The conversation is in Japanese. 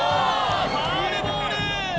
ファールボール